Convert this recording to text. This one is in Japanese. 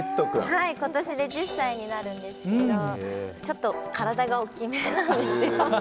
今年で１０歳になるんですけどちょっと体が大きめなんですよ。